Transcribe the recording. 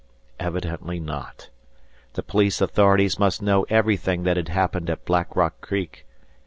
Evidently not. The police authorities must know everything that had happened at Black Rock Creek.